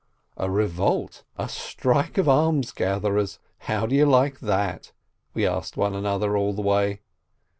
"A revolt — a strike of almsgatherers, how do you like that?" we asked one another all the way.